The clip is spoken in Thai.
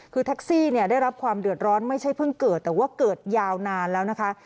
คือแท็กซี่เนี่ยได้รับความเดือดร้อนไม่ใช่เพิ่งเกิดแต่ว่าเกิดยาวนานแล้วนะคะ